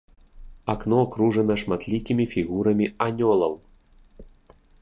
Акно акружана шматлікімі фігурамі анёлаў.